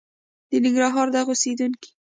د ننګرهار دغه اوسېدونکي